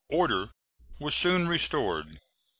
Order was soon restored.